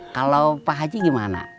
kalau pak haji gimana